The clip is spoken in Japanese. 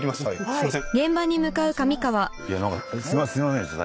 すいません。